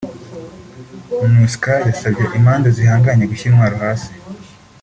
Minusca yasabye impande zihanganye gushyira intwaro hasi